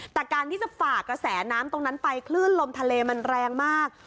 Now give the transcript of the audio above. แต่การที่จะฝ่ากระแสน้ำตรงนั้นไปคลื่นลมทะเลมันแรงมาก